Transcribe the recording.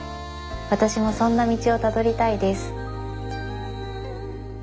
私もそんな道をたどりたいです。